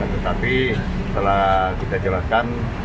tetapi setelah kita jalankan